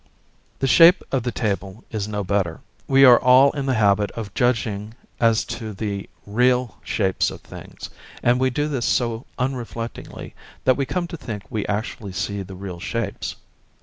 The shape of the table is no better. We are all in the habit of judging as to the 'real' shapes of things, and we do this so unreflectingly that we come to think we actually see the real shapes.